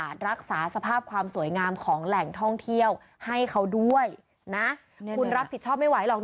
จริงจริงจริงจริง